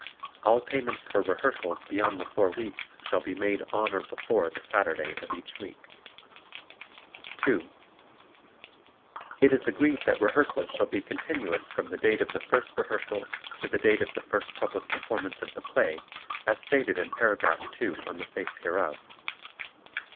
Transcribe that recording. All payments for rehearsals beyond the four weeks shall be made on or before the Saturday of each week. (2) It is agreed that rehearsals shall be continuous from the date of the first rehearsal to the date of the first public performance of the play, as stated in Paragraph 2 on the face hereof.